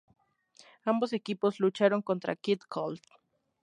Ambos equipos lucharon contra Kid Colt.